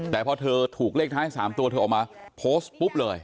แต่พอเธอถูกเลขท้าย๓ตัวเธอออกมาโพสต์ปุ๊บเลย